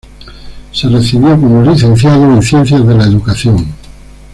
Se recibió como Licenciado en Ciencias de la Educación.